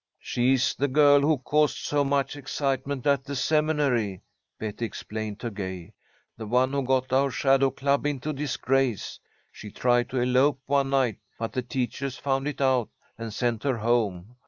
"She's the girl who caused so much excitement at the Seminary," Betty explained to Gay. "The one who got our Shadow Club into disgrace. She tried to elope one night, but the teachers found it out and sent her home.